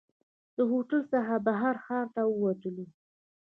له هوټل څخه بهر ښار ته ووتلو.